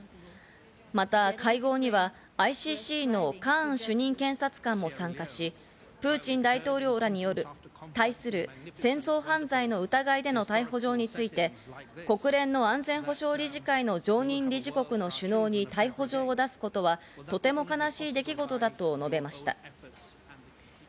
また会合にはＩＣＣのカーン主任検察官も参加し、プーチン大統領らに対する戦争犯罪の疑いでの逮捕状について、国連の安全保障理事会の常任理事国の首脳に逮捕状を出すことは、とても悲しい出来事だと述べました。